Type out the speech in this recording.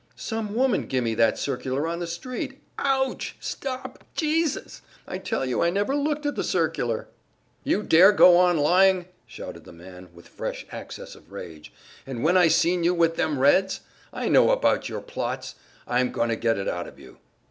"Some woman gimme that circular on the street! Ouch! Stop! Jesus! I tell you I never looked at the circular!" "You dare go on lying?" shouted the man, with fresh access of rage. "And when I seen you with them Reds? I know about your plots, I'm going to get it out of you."